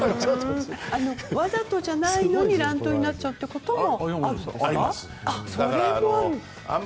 わざとじゃないのに乱闘になることもあるんですか？